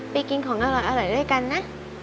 กินของอร่อยด้วยกันนะ